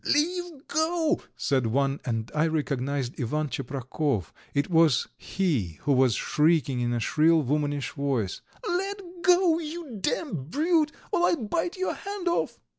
"Leave go," said one, and I recognized Ivan Tcheprakov; it was he who was shrieking in a shrill, womanish voice: "Let go, you damned brute, or I'll bite your hand off."